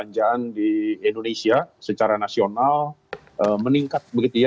jadi rata rata tingkatnya